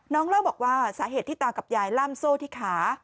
เล่าบอกว่าสาเหตุที่ตากับยายล่ำโซ่ที่ขา